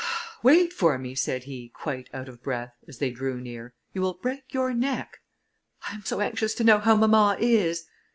"Wait for me," said he, quite out of breath, as they drew near, "you will break your neck." "I am so anxious to know how mamma is!"